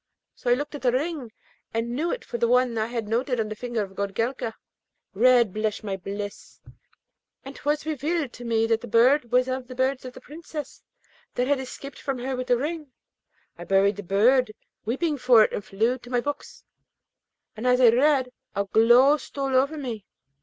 So I looked at the ring and knew it for that one I had noted on the finger of Goorelka. Red blushed my bliss, and 'twas revealed to me that the bird was of the birds of the Princess that had escaped from her with the ring. I buried the bird, weeping for it, and flew to my books, and as I read a glow stole over me.